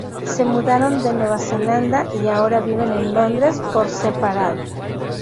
Se mudaron de Nueva Zelanda y ahora viven en Londres por separado.